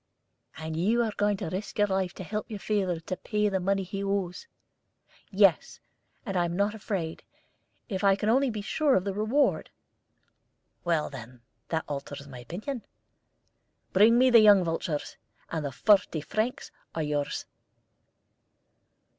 "And you are going to risk your life to help your father to pay the money he owes?" "Yes; and I am not afraid, if I can only be sure of the reward." "Well, then, that alters my opinion. Bring me the young vultures, and the forty francs are yours."